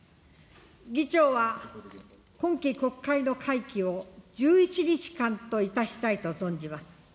議長は今期国会の会期を１１日間といたしたいと存じます。